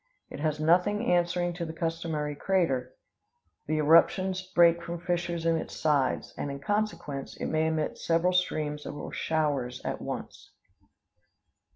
It has nothing answering to the customary crater; the eruptions break from fissures in its sides; and, in consequence, it may emit several streams or showers at once.